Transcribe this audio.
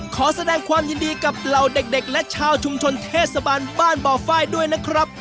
ขอแสดงความยินดีกับเหล่าเด็กและชาวชุมชนเทศบาลบ้านบ่อไฟด้วยนะครับ